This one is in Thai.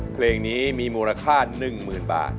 เพลงนี้มีมูลค่า๑๐๐๐บาท